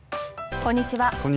こんにちは。